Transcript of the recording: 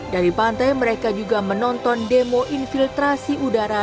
dari pantai mereka juga menonton demo infiltrasi udara